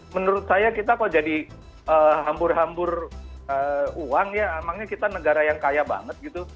menurut saya kita kok jadi hambur hambur uang ya emangnya kita negara yang kaya banget gitu